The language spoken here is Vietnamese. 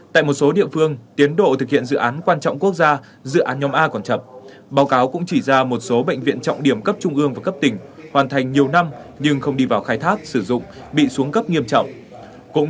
tại một số địa phương tiến độ thực hiện dự án quan trọng quốc gia dự án nhóm a còn chậm báo cáo cũng chỉ ra một số bệnh viện trọng điểm cấp trung ương và cấp tỉnh hoàn thành nhiều năm nhưng không đi vào khai thác sử dụng bị xuống cấp nghiêm trọng